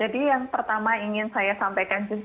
jadi yang pertama ingin saya sampaikan